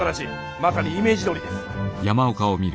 まさにイメージどおりです。